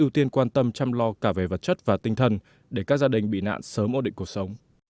để các gia đình bị nạn sớm ổn định cuộc sống